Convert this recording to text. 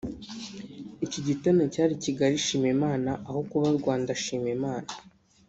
iki giterane cyari Kigali Shima Imana aho kuba Rwanda Shima Imana